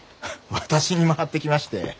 私に回ってきまして。